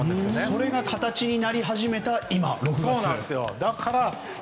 それが形になり始めた今なんですね。